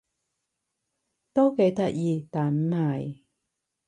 都幾得意但唔係